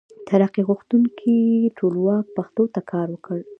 ترقي غوښتونکي ټولواک پښتو ته کار وکړ.